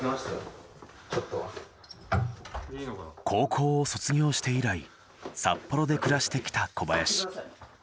高校を卒業して以来札幌で暮らしてきた小林。